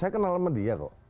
saya kenal sama dia kok